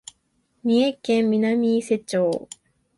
三重県南伊勢町